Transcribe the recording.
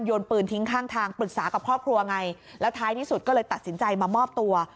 นปืนทิ้งข้างทางปรึกษากับครอบครัวไงแล้วท้ายที่สุดก็เลยตัดสินใจมามอบตัว